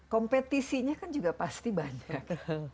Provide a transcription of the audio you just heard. kompetisinya kan juga pasti banyak